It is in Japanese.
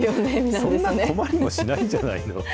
そんな困りもしないんじゃないの？